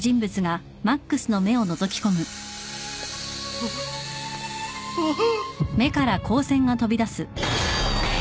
あっあっ！